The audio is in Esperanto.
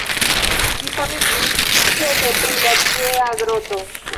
Ĝi famiĝis ĉefe pri la tiea groto.